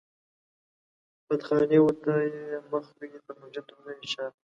بتخانې و ته يې مخ وي و مسجد و ته يې شا